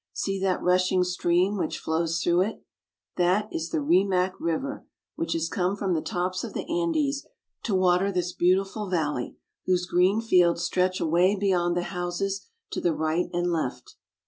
See that rushing stream which flows through it. That is the Rimac (re^ mac) river, which has come from the tops of the Andes to water this beautiful valley, whose green fields stretch away beyond the houses to the right and left.